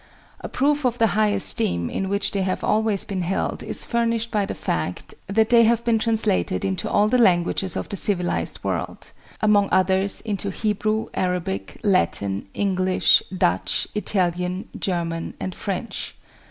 A proof of the high esteem in which they have always been held is furnished by the fact that they have been translated into all the languages of the civilized world; among others, into Hebrew, Arabic, Latin, English, Dutch, Italian, German, and French.